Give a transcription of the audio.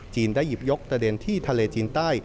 ได้หยิบยกประเด็นที่ทะเลจีนใต้